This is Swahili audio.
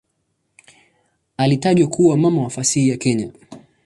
Alitajwa kuwa "mama wa fasihi ya Kenya".